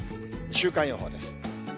週間予報です。